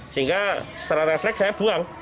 sehingga secara refleks saya buang